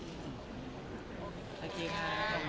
ขอบคุณค่ะ